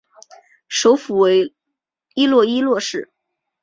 首府为伊洛伊洛市。